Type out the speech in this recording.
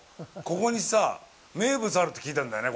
ここにさ、名物あるって聞いたんだよね。